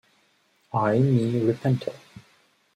I me repente.